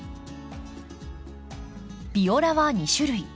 ビオラは２種類。